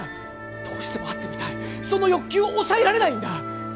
どうしても会ってみたいその欲求を抑えられないんだ